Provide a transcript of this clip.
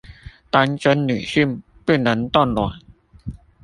單身女性不能凍卵